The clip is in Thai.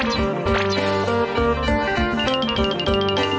สวัสดีค่ะ